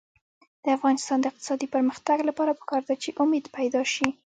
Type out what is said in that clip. د افغانستان د اقتصادي پرمختګ لپاره پکار ده چې امید پیدا شي.